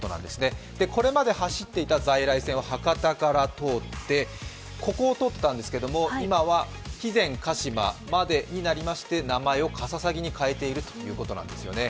これまで走っていた在来線は博多からここを通っていたんですが今は肥前鹿島までになりまして名前を「かささぎ」に変えているということなんですよね。